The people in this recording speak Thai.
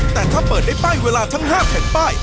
แต่ถ้าเปิดได้ป้ายเวลาทั้ง๕แผ่นป้าย